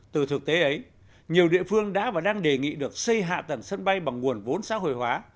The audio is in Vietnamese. từ thực tế ấy nhiều địa phương đã và đang đề nghị được xây hạ tầng sân bay bằng nguồn vốn xã hội hóa